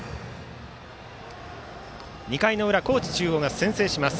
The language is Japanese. ２回の裏、高知中央が先制します。